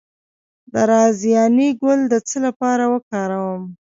د رازیانې ګل د څه لپاره وکاروم؟